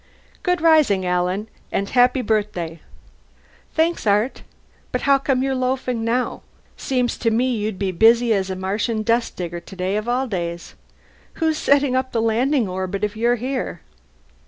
"Good rising, Alan. And happy birthday." "Thanks, Art. But how come you're loafing now? Seems to me you'd be busy as a Martian dustdigger today, of all days. Who's setting up the landing orbit, if you're here?"